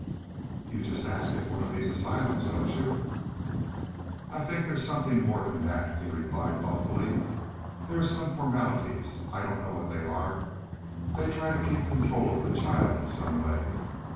"You just ask at one of these asylums, don't you?" "I think there's something more than that," he replied thoughtfully. "There are some formalities—I don't know what they are. They try to keep control of the child in some way.